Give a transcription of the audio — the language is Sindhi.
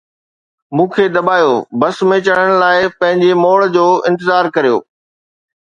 مون کي دٻايو، بس ۾ چڙهڻ لاءِ پنهنجي موڙ جو انتظار ڪريو